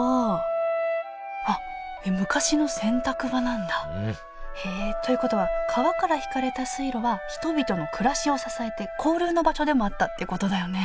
あっ昔の洗濯場なんだ。ということは川から引かれた水路は人々の暮らしを支えて交流の場所でもあったってことだよね